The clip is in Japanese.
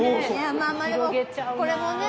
まあまあでもこれもね